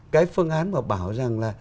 cái phương án mà bảo rằng là